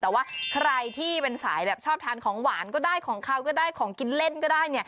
แต่ว่าใครที่เป็นสายแบบชอบทานของหวานก็ได้ของเขาก็ได้ของกินเล่นก็ได้